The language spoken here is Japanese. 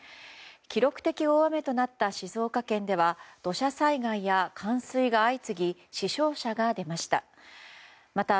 記録的大雨となった静岡県では土砂災害や冠水が相次ぎ死傷者が出ました。